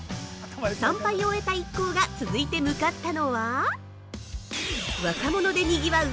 参拝を終えた一行が続いて向かったのは若者でにぎわう